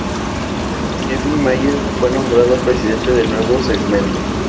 Kevin Mayer fue nombrado presidente del nuevo segmento.